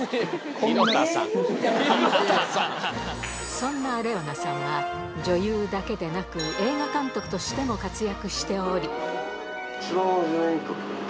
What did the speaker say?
そんなレオナさんは女優だけでなく映画監督としても活躍